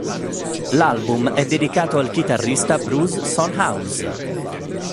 L'album è dedicato al chitarrista blues Son House.